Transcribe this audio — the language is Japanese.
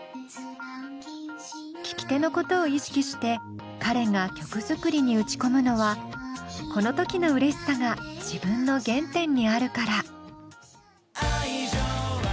聴き手のことを意識して彼が曲作りに打ち込むのはこの時のうれしさが自分の原点にあるから。